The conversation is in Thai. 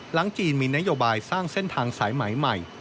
จีนมีนโยบายสร้างเส้นทางสายไหมใหม่